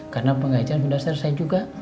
karena pengajaran sudah selesai juga